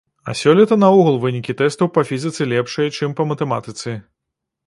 А сёлета наогул вынікі тэстаў па фізіцы лепшыя, чым па матэматыцы.